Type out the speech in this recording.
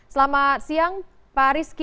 selamat siang pak rizky